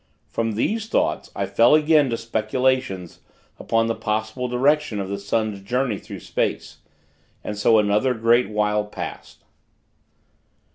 From these thoughts, I fell again to speculations upon the possible direction of the sun's journey through space.... And so another great while passed.